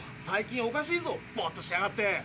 最近おかしいぞボーッとしやがって。